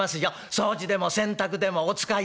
掃除でも洗濯でもお使いでも」。